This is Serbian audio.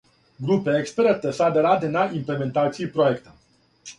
Група експерата сада ради на имплементацији пројекта.